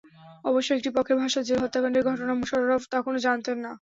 অবশ্য একটি পক্ষের ভাষ্য, জেল হত্যাকাণ্ডের ঘটনা মোশাররফ তখনো জানতেন না।